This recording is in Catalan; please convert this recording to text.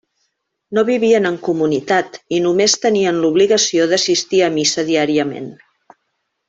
No vivien en comunitat i només tenien l'obligació d'assistir a missa diàriament.